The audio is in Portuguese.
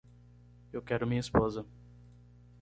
Eu quero minha esposa.